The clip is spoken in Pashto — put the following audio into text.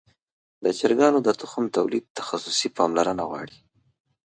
د چرګانو د تخم تولید تخصصي پاملرنه غواړي.